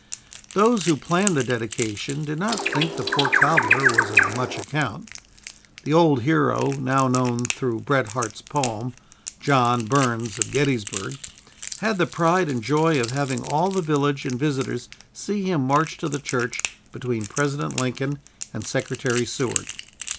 Those who planned the dedication did not think the poor cobbler was of much account. The old hero, now known through Bret Harte's poem, "John Burns of Gettysburg," had the pride and joy of having all the village and visitors see him march to the church between President Lincoln and Secretary Seward.